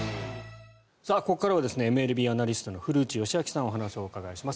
ここからはＭＬＢアナリストの古内義明さんにお話をお伺いします。